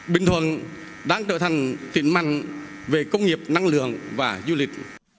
bình thuận đang trở thành tiện mạnh về công nghiệp năng lượng và du lịch